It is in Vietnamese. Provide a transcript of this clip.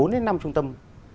bốn đến năm trung tâm